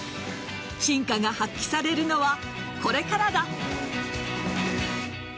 真価が発揮されるのはこれからだ。